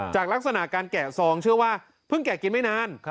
ลักษณะการแกะซองเชื่อว่าเพิ่งแกะกินไม่นาน